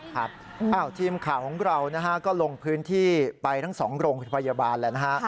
ครับทีมข่าวของเรานะฮะก็ลงพื้นที่ไปทั้ง๒โรงพยาบาลแล้วนะฮะ